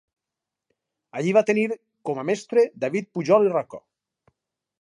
Allí va tenir com a mestre David Pujol i Roca.